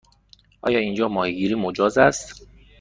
آیا اینجا ماهیگیری مجاز است؟